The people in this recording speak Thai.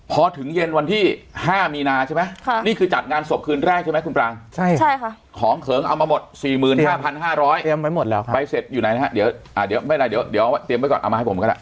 พอถึงเย็นวันที่๕มีนาใช่ไหม